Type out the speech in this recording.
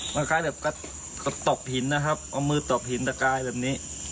มันคล้ายแบบกระตกหินนะครับเอามือตบหินตะกายแบบนี้